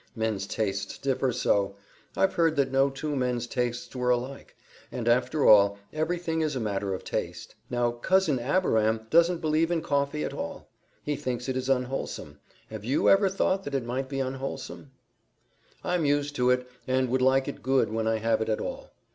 Men's tastes differ so! I've heard that no two men's tastes were alike; and, after all, everything is a matter of taste. Now Cousin Abiram doesn't believe in coffee at all. He thinks it is unwholesome. Have YOU ever thought that it might be unwholesome?" "I'm used to it, and would like it good when I have it at all."